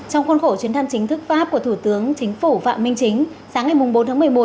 trong khuôn khổ chuyến thăm chính thức pháp của thủ tướng chính phủ phạm minh chính sáng ngày bốn tháng một mươi một